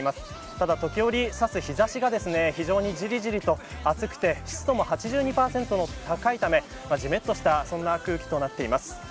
ただ、時折差す日差しが非常にじりじりと暑くて湿度も８２％と高いためじめっとした空気となっています。